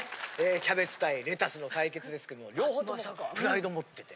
キャベツ対レタスの対決ですけども両方ともプライド持ってて。